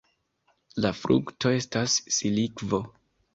La frukto estas silikvo.